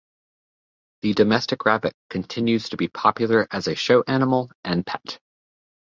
The domestic rabbit continues to be popular as a show animal and pet.